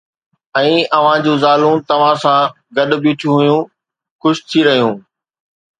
۽ اوھان جون زالون توسان گڏ بيٺيون ھيون، خوش ٿي رھيون